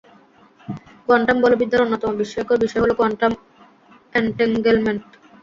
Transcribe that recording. Quantum বলবিদ্যার অন্যতম বিস্ময়কর বিষয় হলো কোয়ান্টাম অ্যান্টেঙ্গেলমেন্ট।